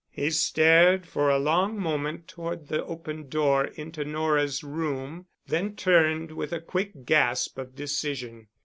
He stared for a long moment toward the open door into Nora's room, then turned with a quick gasp of decision.